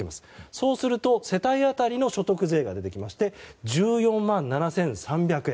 そうすると世帯当たりの所得税が出てきまして１４万７３００円。